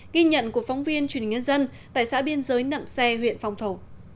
ghi nhận của phóng viên truyền hình nhân dân tại xã biên giới nậm xe huyện phong thổ